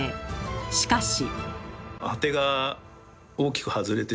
しかし。